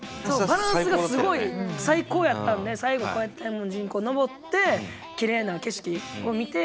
バランスがすごい最高やったんで最後こうやって大文字に登ってきれいな景色を見て。